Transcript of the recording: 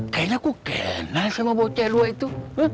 kayaknya aku kenal sama bocah luar itu